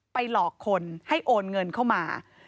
หลอกคนให้โอนเงินเข้ามา